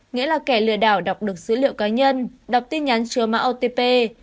nghĩa là kẻ lừa đảo đọc được dữ liệu cá nhân đọc tin nhắn chứa mã otp